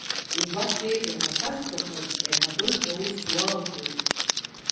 Убас еиӷьуп ҳәа сазҳәақәаз аиҳабыраҿ аус зуа ыҟоуп.